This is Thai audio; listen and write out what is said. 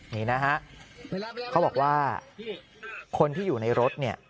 นี่นะฮะเขาบอกว่าคนที่อยู่ในรถเนี่ย